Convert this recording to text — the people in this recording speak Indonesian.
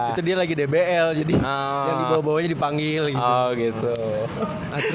itu dia lagi dbl jadi yang dibawa bawanya dipanggil gitu